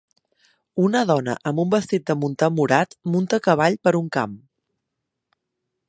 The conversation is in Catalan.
Una dona amb un vestit de muntar morat munta a cavall per un camp.